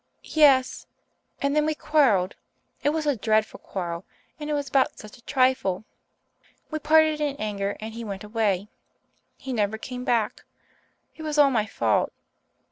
"Yes and then we quarrelled. It was a dreadful quarrel and it was about such a trifle. We parted in anger and he went away. He never came back. It was all my fault.